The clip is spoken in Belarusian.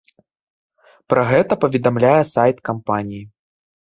Пра гэта паведамляе сайт кампаніі.